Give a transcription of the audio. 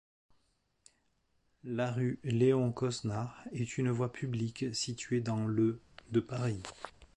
La rue Léon-Cosnard est une voie publique située dans le de Paris.